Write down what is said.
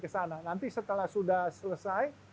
ke sana nanti setelah sudah selesai